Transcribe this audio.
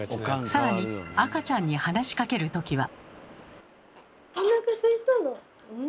更に赤ちゃんに話しかける時は。